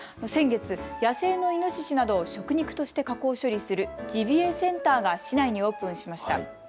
先月、野生のイノシシなどを食肉として加工処理するジビエセンターが市内にオープンしました。